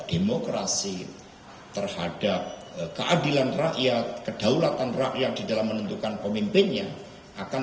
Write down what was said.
demokrasi terhadap keadilan rakyat kedaulatan rakyat di dalam menentukan pemimpinnya akan